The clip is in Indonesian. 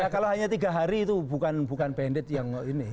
kalau hanya tiga hari itu bukan bandit yang ini